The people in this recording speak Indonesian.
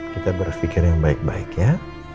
kita berpikir yang baik baik ya